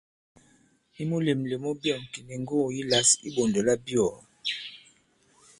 I mulèmlèm mu byɔ̑ŋ kì ndi ŋgugù yi lǎs i iɓɔ̀ndò labyɔ̀ɔ̀.